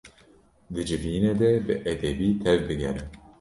Di civînê de bi edebî tevbigere.